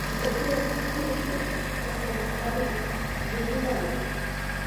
А цяпер тых, хто гэта стварыў, забіваюць.